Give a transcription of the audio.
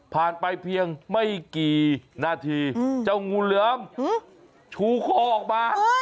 ไปเพียงไม่กี่นาทีเจ้างูเหลือมชูคอออกมา